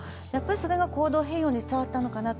それが行動変容につながったのかなと。